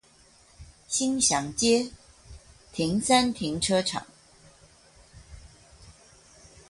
興祥街停三停車場